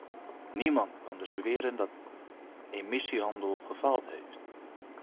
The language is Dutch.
Niemand kan dus beweren dat de emissiehandel gefaald heeft.